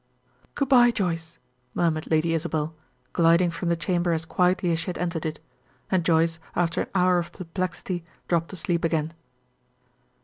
"Good bye, Joyce," murmured Lady Isabel, gliding from the chamber as quietly as she had entered it. And Joyce, after an hour of perplexity, dropped asleep again.